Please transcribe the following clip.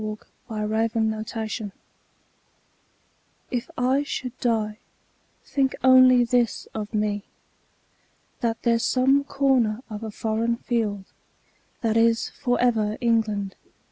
The Soldier If I should die, think only this of me: That there's some corner of a foreign field That is for ever England.